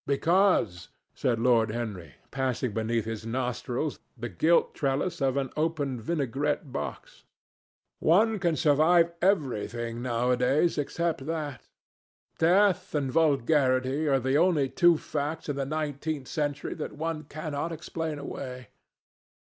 "Because," said Lord Henry, passing beneath his nostrils the gilt trellis of an open vinaigrette box, "one can survive everything nowadays except that. Death and vulgarity are the only two facts in the nineteenth century that one cannot explain away.